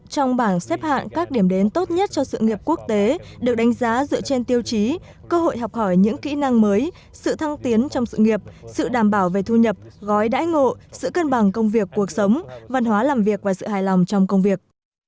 trong bảng xếp hạng các điểm đến tốt nhất cho sự nghiệp quốc tế được đánh giá dựa trên tiêu chí cơ hội học hỏi những kỹ năng mới sự thăng tiến trong sự nghiệp sự đảm bảo về thu nhập gói đãi ngộ sự cân bằng công việc cuộc sống văn hóa làm việc và sự hài lòng trong công việc